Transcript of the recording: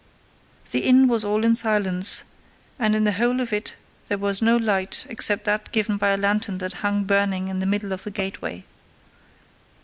The inn was all in silence, and in the whole of it there was no light except that given by a lantern that hung burning in the middle of the gateway.